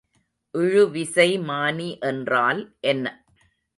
இழுவிசைமானி என்றால் என்ன?